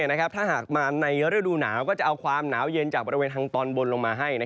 ถ้าหากมาในฤดูหนาวก็จะเอาความหนาวเย็นจากบริเวณทางตอนบนลงมาให้